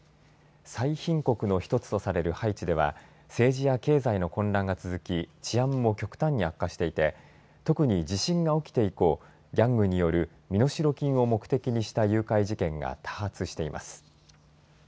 最貧国の１つとされるハイチでは政治や経済の混乱が続き治安も極端に悪化していて特に地震が起きて以降、ギャングによる身代金を目的にした誘拐事件が多発しています。